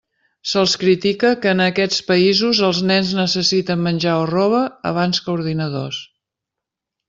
Se'ls critica que en aquests països els nens necessiten menjar o roba, abans que ordinadors.